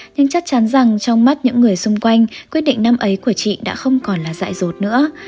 nhưng chắc chắn rằng trong mắt những người xung quanh quyết định năm ấy của chị đã không còn là dại rột nữa